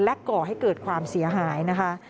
ก่อให้เกิดความเสียหายนะคะ